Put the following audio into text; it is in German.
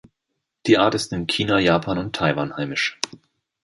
Die Art ist in China, Japan und Taiwan heimisch.